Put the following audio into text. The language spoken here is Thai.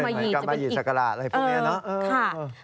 แม่กำมะหยี่จะเป็นอีกนะค่ะค่ะค่ะ